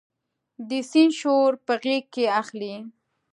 د سیند شور په غیږ کې اخلي